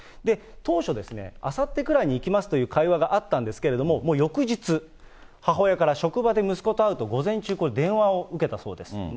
当初、あさってくらいに行きますという会話があったんですけれども、もう翌日、母親から職場で息子と会うと、午前中、電話を受けたそうです。